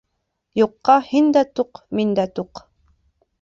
«Юҡ»ҡа һин дә туҡ, мин дә туҡ.